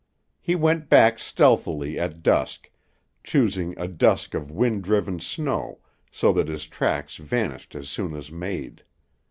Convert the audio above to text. He went back stealthily at dusk, choosing a dusk of wind driven snow so that his tracks vanished as soon as made.